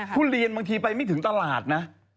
ทุเรียนบางทีไปไม่ถึงตลาดนะ